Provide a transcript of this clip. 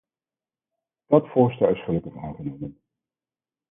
Dat voorstel is gelukkig aangenomen.